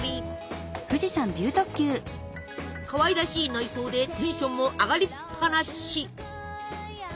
かわいらしい内装でテンションも上がりっぱなし！